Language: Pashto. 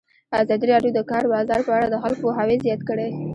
ازادي راډیو د د کار بازار په اړه د خلکو پوهاوی زیات کړی.